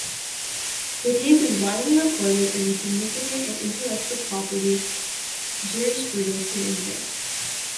The case was widely reported and is significant in intellectual property jurisprudence in India.